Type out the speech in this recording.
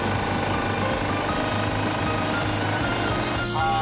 はあ。